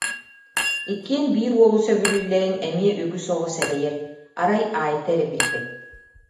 Иккиэн биир уолу сөбүлүүллэрин эмиэ үгүс оҕо сэрэйэр, арай Айта эрэ билбэт